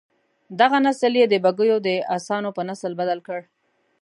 دغه نسل یې د بګیو د اسانو په نسل بدل کړ.